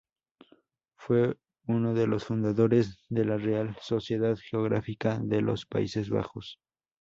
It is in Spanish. Fue uno de los fundadores de la Real Sociedad Geográfica de los Países Bajos.